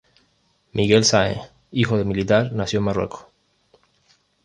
Miguel Sáenz, hijo de militar, nació en Marruecos.